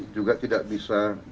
juga tidak bisa